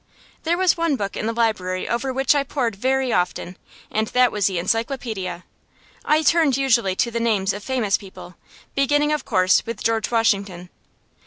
There was one book in the library over which I pored very often, and that was the encyclopædia. I turned usually to the names of famous people, beginning, of course, with George Washington.